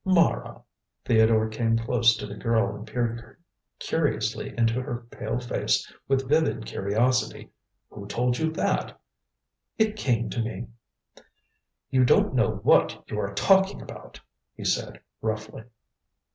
"Mara!" Theodore came close to the girl and peered curiously into her pale face with vivid curiosity. "Who told you that?" "It came to me." "You don't know what you are talking about," he said roughly.